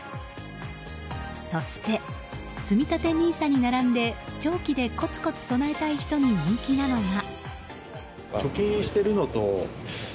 そしてつみたてＮＩＳＡに並んで長期でコツコツ備えたい人に人気なのが。